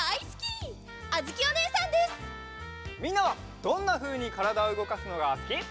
みんなはどんなふうにからだをうごかすのがすき？